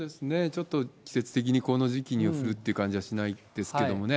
ちょっと季節的にこの時期に降るって感じはしないですけどもね。